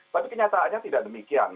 tapi kenyataannya tidak demikian